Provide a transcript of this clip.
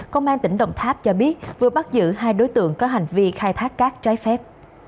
công an tỉnh đồng tháp cho biết vừa bắt giữ hai đối tượng có hành vi khai thác cát trái phép